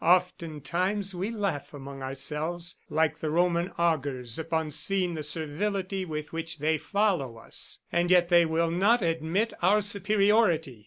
Oftentimes we laugh among ourselves, like the Roman augurs, upon seeing the servility with which they follow us! ... And yet they will not admit our superiority!"